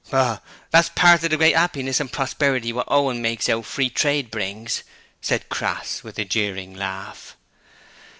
'Oh, that's part of the great 'appiness an' prosperity wot Owen makes out Free Trade brings,' said Crass with a jeering laugh.